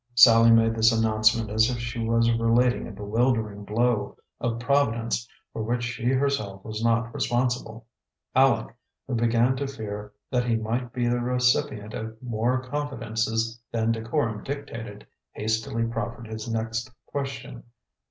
Sallie made this announcement as if she was relating a bewildering blow of Providence for which she herself was not responsible. Aleck, who began to fear that he might be the recipient of more confidences than decorum dictated, hastily proffered his next question.